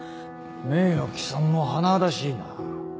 名誉毀損も甚だしいな。